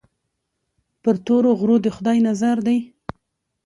پر تورو غرو د خدای نظر دی.